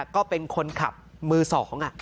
ก็เป็นคนขับมือสอง